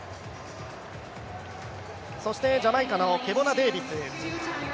そしてジャマイカのカボナ・デービス